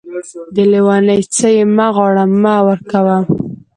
د لېوني څه يې مه غواړه ،مې ورکوه.